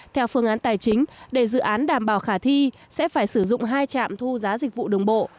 theo phương án tài chính để dự án đảm bảo khả thi sẽ phải sử dụng hai trạm thu giá dịch vụ đường bộ